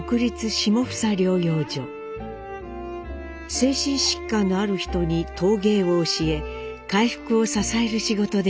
精神疾患のある人に陶芸を教え回復を支える仕事でした。